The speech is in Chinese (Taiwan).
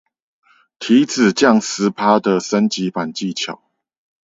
體脂降十趴的升級版技巧